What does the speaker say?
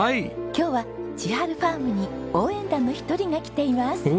今日はちはるふぁーむに応援団の一人が来ています。